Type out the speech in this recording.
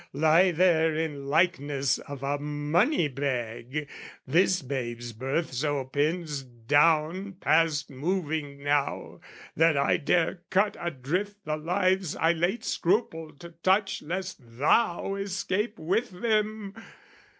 "Lie there in likeness of a money bag, "This babe's birth so pins down past moving now, "That I dare cut adrift the lives I late "Scrupled to touch lest thou escape with them!